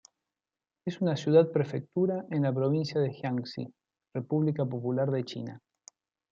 Es una ciudad-prefectura en la provincia de Jiangxi, República Popular de China.